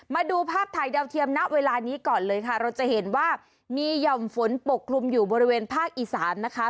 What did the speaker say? มาดูภาพถ่ายดาวเทียมณเวลานี้ก่อนเลยค่ะเราจะเห็นว่ามีห่อมฝนปกคลุมอยู่บริเวณภาคอีสานนะคะ